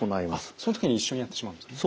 その時に一緒にやってしまうんですね。